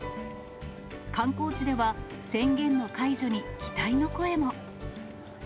観光地では、宣言の解除に期待の声も。